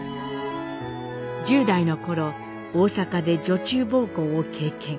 １０代の頃大阪で女中奉公を経験。